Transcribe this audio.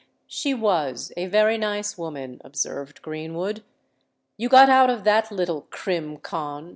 "She was—a very nice woman," observed Greenwood. "You got out of that little _crim. con.